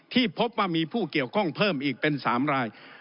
ที่พบว่ามีผู้เกี่ยวข้องเพิ่มอีกเป็น๓ราย